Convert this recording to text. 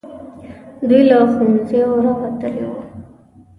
دوی له ښوونځیو راوتلي وو.